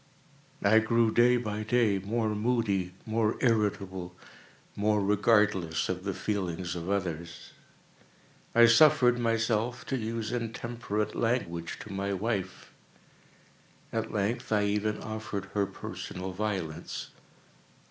I grew, day by day, more moody, more irritable, more regardless of the feelings of others. I suffered myself to use intemperate language to my wife. At length, I even offered her personal violence.